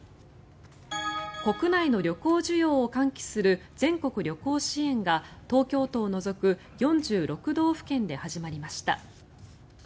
国内の旅行需要を喚起する全国旅行支援が東京都を除く４６道府県で始まりました。